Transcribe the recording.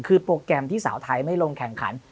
คือโปรแกรมที่สาวไทยไม่ลงแข่งขัน